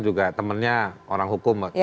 juga temennya orang hukum ya